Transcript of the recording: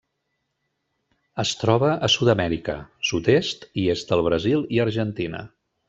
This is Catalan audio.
Es troba a Sud-amèrica: sud-est i est del Brasil i Argentina.